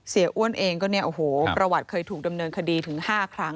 อ้วนเองก็เนี่ยโอ้โหประวัติเคยถูกดำเนินคดีถึง๕ครั้ง